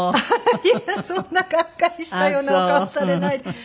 そんながっかりしたような顔されないで。